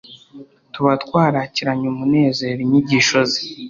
tuba twarakiranye umunezero inyigisho ze,